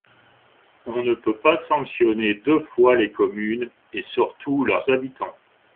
On ne peut pas sanctionner deux fois les communes et surtout leurs habitants.